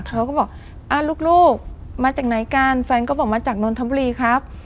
เขาก็บอกอ่าลูกมาจากไหนกันแฟนก็บอกมาจากนนทบุรีครับ